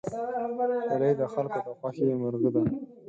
هیلۍ د خلکو د خوښې مرغه ده